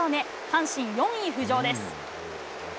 阪神４位浮上です。